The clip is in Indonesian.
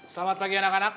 selamat pagi anak anak